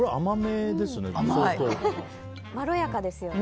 まろやかですよね。